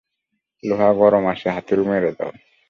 লোহা গরম আছে, হাতুড়ি মেরে দাও।